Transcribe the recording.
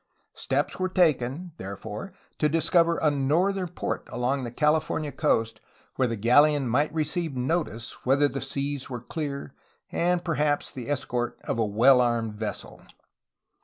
Steps were taken, therefore, to dis cover a northern port along the California coast where the galleon might receive notice whether the seas were clear and perhaps the escort of a well armed vessel.